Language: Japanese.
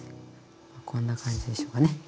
こんな感じでしょうかね。